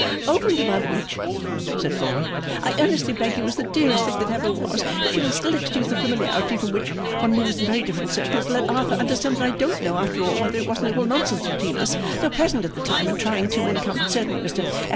'Over and above which,' said Flora, 'I earnestly beg you as the dearest thing that ever was if you'll still excuse the familiarity from one who moves in very different circles to let Arthur understand that I don't know after all whether it wasn't all nonsense between us though pleasant at the time and trying too and certainly Mr F.